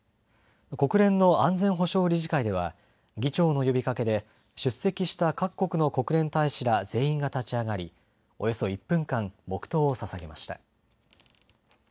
国連の安全保障理事会では議長の呼びかけで出席した各国の国連大使ら全員が立ち上がりおよそ１分間、黙とうをささげました。